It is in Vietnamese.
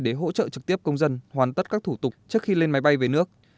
để hỗ trợ trực tiếp công dân hoàn tất các thủ tục trước khi lên máy bay về nước